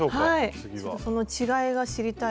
ちょっとその違いが知りたい。